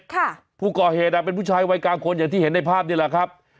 ค่ะผู้ก่อเหตุอ่ะเป็นผู้ชายวัยกลางคนอย่างที่เห็นในภาพนี่แหละครับ